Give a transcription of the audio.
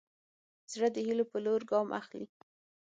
زړه د هيلو په لور ګام اخلي.